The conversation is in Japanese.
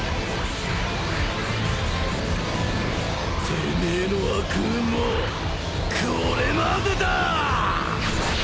てめえの悪運もこれまでだー！